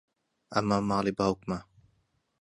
ئەمە ماڵی باوکمە.